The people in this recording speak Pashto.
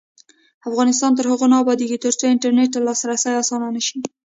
افغانستان تر هغو نه ابادیږي، ترڅو انټرنیټ ته لاسرسی اسانه نشي.